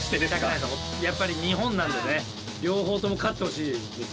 やっぱり日本なんでね両方とも勝ってほしいですよね。